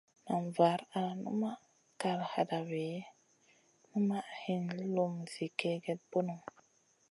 Nan var al numaʼ ma kal hadawi ki numaʼ hin lum zi kègèda bunu.